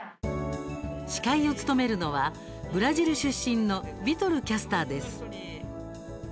司会を務めるのはブラジル出身のヴィトルキャスターです。